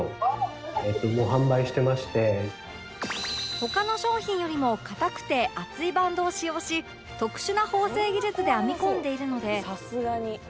他の商品よりも硬くて厚いバンドを使用し特殊な縫製技術で編み込んでいるので